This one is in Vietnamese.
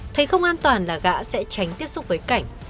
thấy không an toàn là gã sẽ tránh tiếp xúc với cảnh